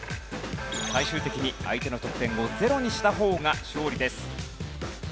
最終的に相手の得点をゼロにした方が勝利です。